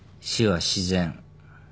「死は自然」